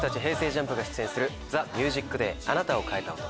ＪＵＭＰが出演する『ＴＨＥＭＵＳＩＣＤＡＹ』「あなたを変えた音」。